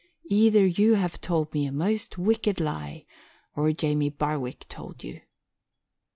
Either you have told me a most wicked lie or Jamie Barwick told you."